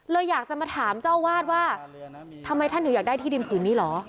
อยากจะมาถามเจ้าวาดว่าทำไมท่านถึงอยากได้ที่ดินผืนนี้เหรอ